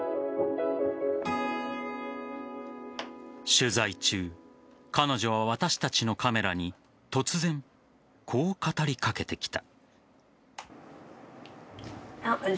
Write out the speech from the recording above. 取材中彼女は私たちのカメラに突然、こう語りかけてきた。